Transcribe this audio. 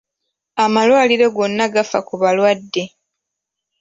Amalwaliro gonna gafa ku balwadde.